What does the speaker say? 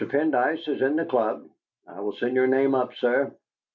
Pendyce is in the club; I will send your name up, sir."